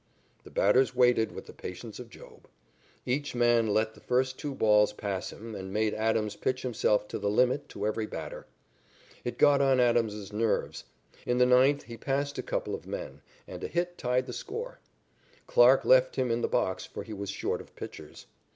The batters waited with the patience of Job. Each man let the first two balls pass him and made Adams pitch himself to the limit to every batter. It got on Adams's nerves. In the ninth he passed a couple of men, and a hit tied the score. Clarke left him in the box, for he was short of pitchers.